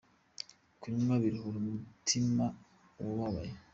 kumvwa biruhura umutima wubabaye